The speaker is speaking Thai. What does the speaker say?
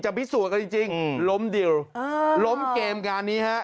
จะผิดส่วนกันจริงล้มเดียวล้มเกมกันนี้